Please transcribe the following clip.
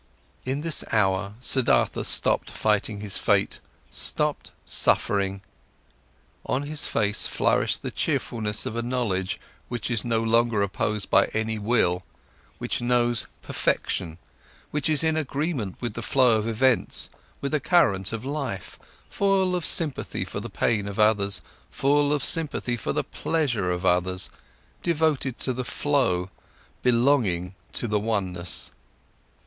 In this hour, Siddhartha stopped fighting his fate, stopped suffering. On his face flourished the cheerfulness of a knowledge, which is no longer opposed by any will, which knows perfection, which is in agreement with the flow of events, with the current of life, full of sympathy for the pain of others, full of sympathy for the pleasure of others, devoted to the flow, belonging to the oneness.